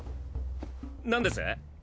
何です？